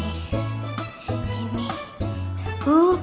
uh aku sepi celana